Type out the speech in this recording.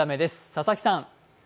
佐々木さん。